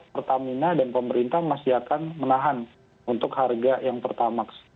pertamina dan pemerintah masih akan menahan untuk harga yang pertamax